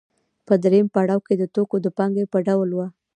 په درېیم پړاو کې د توکو د پانګې په ډول وه